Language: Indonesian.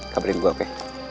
kabarin gue oke